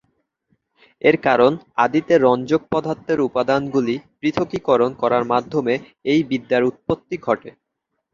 এর কারণ আদিতে রঞ্জক পদার্থের উপাদানগুলি পৃথকীকরণ করার মাধ্যমে এই বিদ্যার উৎপত্তি ঘটে।